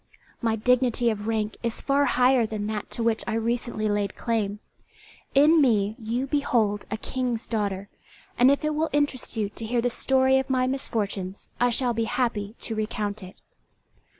My dignity of rank is far higher than that to which I recently laid claim; in me you behold a King's daughter, and if it will interest you to hear the story of my misfortunes, I shall be happy to recount it."